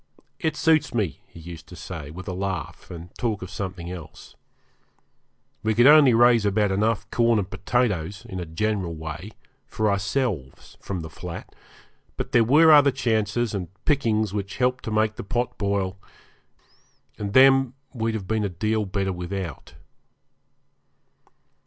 'It suits me,' he used to say, with a laugh, and talk of something else. We could only raise about enough corn and potatoes, in a general way, for ourselves from the flat; but there were other chances and pickings which helped to make the pot boil, and them we'd have been a deal better without.